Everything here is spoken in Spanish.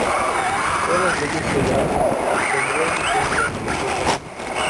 Todas las leyes federales tendrían vigencia en Puerto Rico.